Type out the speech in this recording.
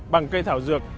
bằng cây thảo dược